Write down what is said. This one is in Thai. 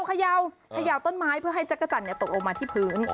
เขย่าต้นไม้เพื่อให้จักรจันทร์ตกลงมาที่พื้น